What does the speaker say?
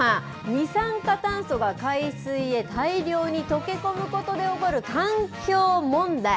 二酸化炭素が海水へ大量に溶け込むことで起こる環境問題。